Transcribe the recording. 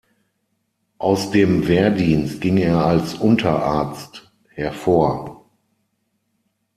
Aus dem Wehrdienst ging er als Unterarzt hervor.